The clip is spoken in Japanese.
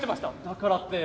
だからって。